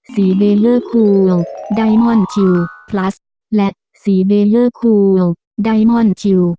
สีเบลเลอร์คูลไดมอนด์คิวพลัสและสีเบลเลอร์คูลไดมอนด์คิว